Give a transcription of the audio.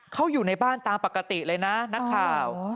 เขาอยู่ในบ้านตามปกติเลยนะนักข่าว